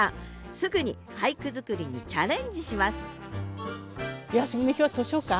すぐに俳句作りにチャレンジします！